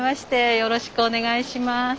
よろしくお願いします。